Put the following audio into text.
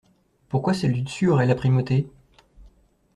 Pourquoi celle du dessus aurait la primauté?